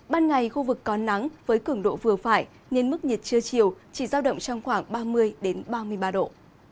ban ngày khu vực có nắng với cường độ vừa phải nên mức nhiệt trưa chiều chỉ giao động trong khoảng ba mươi ba mươi ba độ